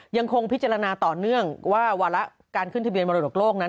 ยังคงพิจารณาต่อเนื่องว่าวาระการขึ้นทะเบียนมรดกโลกนั้น